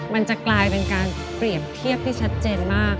มันจะกลายเป็นการเปรียบเทียบที่ชัดเจนมาก